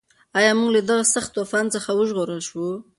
ایا موږ له دغه سخت طوفان څخه وژغورل شوو؟